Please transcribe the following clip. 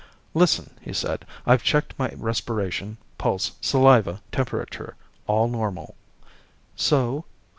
"Listen," he said. "I've checked my respiration, pulse, saliva, temperature. All normal." "So?"